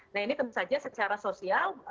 nah ini tentu saja secara sosial